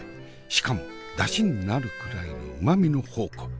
しかもだしになるくらいのうまみの宝庫。